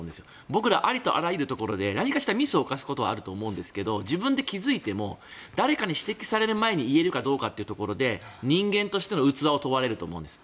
僕ら、ありとあらゆるところで何かしらミスを犯すことはあると思うんですが自分で気付いても誰かに指摘される前に言えるかどうかということで人間としての器を問われると思うんです。